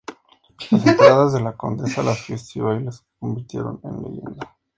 Las entradas de la condesa a las fiestas y bailes se convirtieron en leyenda.